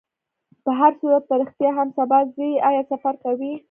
په هرصورت، ته رښتیا هم سبا ځې؟ آیا سفر کوې؟